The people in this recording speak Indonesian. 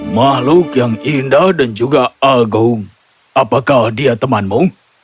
makhluk yang indah dan juga agung apakah dia temanmu